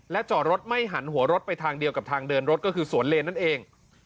จอดรถไม่หันหัวรถไปทางเดียวกับทางเดินรถก็คือสวนเลนนั่นเอง